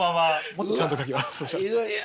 もっとちゃんと描きます。